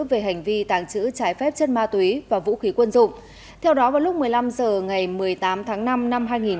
về hành vi tàng trữ trái phép chất ma túy và vũ khí quân dụng theo đó vào lúc một mươi năm h ngày một mươi tám tháng năm